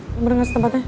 lu bener gak setempatnya